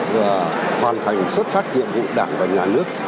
và hoàn thành xuất sắc nhiệm vụ đảng và nhà nước